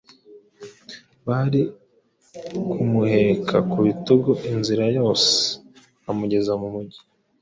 bari kumuheka ku bitugu inzira yose bakamugeza mu mujyi.